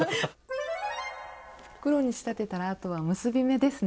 袋に仕立てたらあとは結び目ですね。